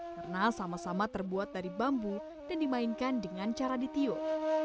karena sama sama terbuat dari bambu dan dimainkan dengan cara ditiup